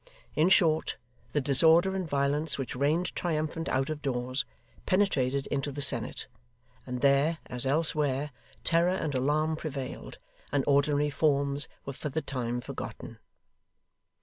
In short, the disorder and violence which reigned triumphant out of doors, penetrated into the senate, and there, as elsewhere, terror and alarm prevailed, and ordinary forms were for the time forgotten.